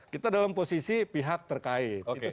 kita dalam posisi pihak terkait